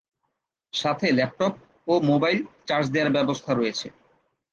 সাথে ল্যাপটপ ও mobile charge দেয়ার ব্যবস্থা রয়েছে।